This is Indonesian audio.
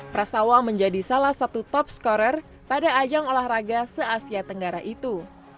prastawa menjadi salah satu top scorer pada ajang olahraga se asia tenggara itu